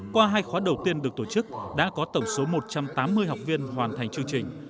qua hai khóa đầu tiên được tổ chức đã có tổng số một trăm tám mươi học viên hoàn thành chương trình